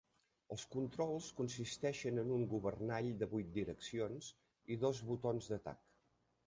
Els controls consisteixen en un governall de vuit direccions i dos botons d'atac.